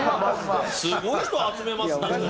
すごい人集めますね。